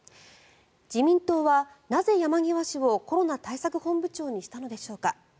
自民党はなぜ山際氏をコロナ対策本部長にしたのでしょうか。